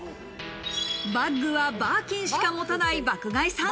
バッグはバーキンしか持たない爆買いさん。